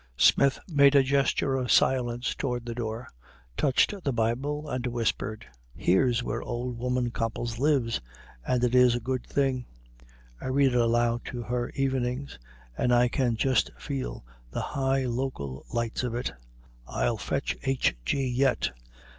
Smith made a gesture of silence toward the door, touched the Bible, and whispered, "Here's where old woman Copples lives, and it is a good thing; I read it aloud to her evenings, and I can just feel the high, local lights of it. It'll fetch H. G. yet!"